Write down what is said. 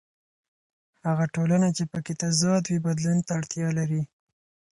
هغه ټولنه چې په کې تضاد وي بدلون ته اړتیا لري.